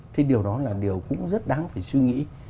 thế điều đó là điều cũng rất đáng phải suy nghĩ